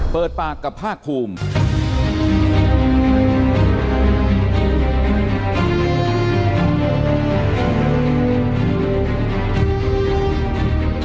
เปิดปากกับภาคภูมิ